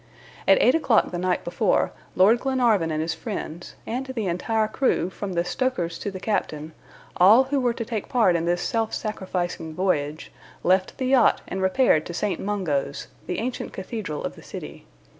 At eight o'clock the night before, Lord Glenarvan and his friends, and the entire crew, from the stokers to the captain, all who were to take part in this self sacrificing voyage, left the yacht and repaired to St. Mungo's, the ancient cathedral of the city.